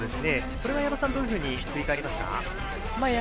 これは矢野さんどういうふうに振り返りますか？